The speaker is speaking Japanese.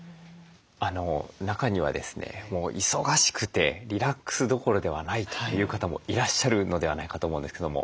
中にはですねもう忙しくてリラックスどころではないという方もいらっしゃるのではないかと思うんですけども。